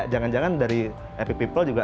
jangan jangan dari epic people juga